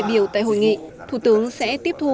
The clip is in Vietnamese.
các đại biểu tại hội nghị thủ tướng sẽ tiếp thu